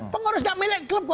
pengurus tidak milih klub